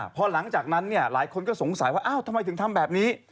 พอหลังจากนั้นหลายคนก็สงสัยว่าอ้าวทำไมถึงทำแบบนี้